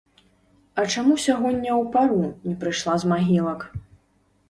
А чаму сягоння ў пару не прыйшла з магілак?